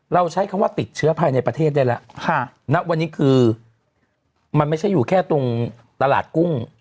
ใช้คำว่าติดเชื้อภายในประเทศได้แล้วณวันนี้คือมันไม่ใช่อยู่แค่ตรงตลาดกุ้ง